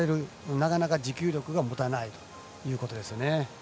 なかなか持久力が持たないということですね。